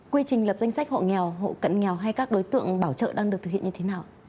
quy trình lập danh sách hộ nghèo hộ cận nghèo hay các đối tượng bảo trợ đang được thực hiện như thế nào